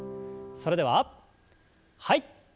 それでははい。